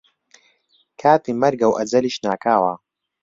کاتی مەرگە و ئەجەلیش ناکاوە